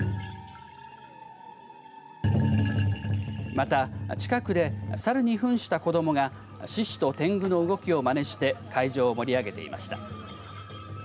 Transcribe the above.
また、近くでサルにふんした子どもが獅子とてんぐの動きをまねして会場を盛り上げました。